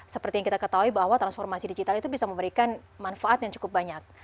seperti yang kita ketahui bahwa transformasi digital itu bisa memberikan manfaat yang cukup banyak